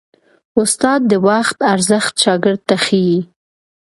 استاد د وخت ارزښت شاګرد ته ښيي.